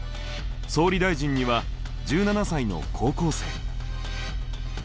総理大臣には１７才の高校生。